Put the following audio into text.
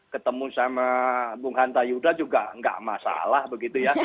ketemu sama bung hanta yuda juga nggak masalah begitu ya